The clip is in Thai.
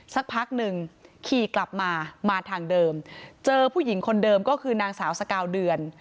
สักพักหนึ่งขี่กลับมามาทางเดิมเจอผู้หญิงคนเดิมก็คือนางสาวสกาวเดือน